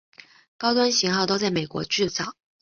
高端型号都在美国制造。